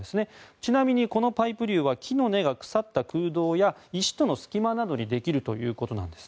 ちなみにこのパイプ流は木の根が腐った空洞や石との隙間にできるということなんです。